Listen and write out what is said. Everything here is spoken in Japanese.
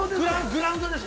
グラウンドです。